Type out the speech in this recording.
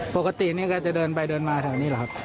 ปกตินี่ก็จะเดินไปเดินมาแถวนี้แหละครับ